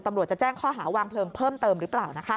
ตำรวจจะแจ้งข้อหาวางเพลิงเพิ่มเติมหรือเปล่า